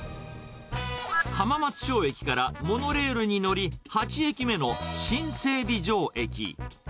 浜松町駅からモノレールに乗り、８駅目の新整備場駅。